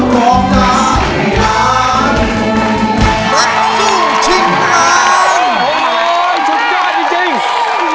นักสู่ทิชน์งาน